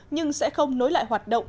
nhưng sẽ không nối lại hoạt động